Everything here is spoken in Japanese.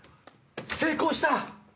成功した。